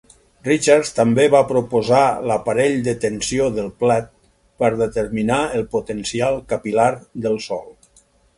Richards també va proposar l'aparell de tensió del plat per determinar el potencial capil·lar del sòl.